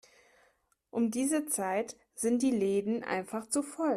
Um diese Zeit sind die Läden einfach zu voll.